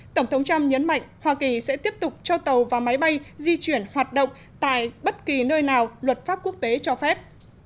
tổng thống trump nhấn mạnh hoa kỳ sẽ tiếp tục cho tàu và máy bay di chuyển hoạt động tại bất kỳ nơi nào luật pháp quốc tế cho phép